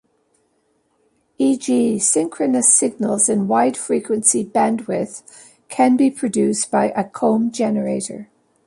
E.g., synchronous signals in wide frequency bandwidth can be produced by a comb generator.